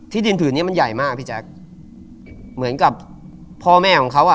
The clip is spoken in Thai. ดินผืนเนี้ยมันใหญ่มากพี่แจ๊คเหมือนกับพ่อแม่ของเขาอ่ะ